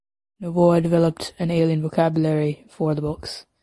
Novoa developed an alien vocabulary for the books.